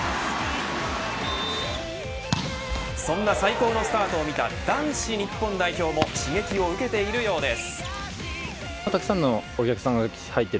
そんな最高のスタートを見た男子日本代表も刺激を受けているようです。